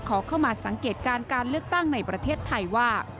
ขอเข้ามาสังเกตการณ์การเลือกตั้งในประเทศไทยว่า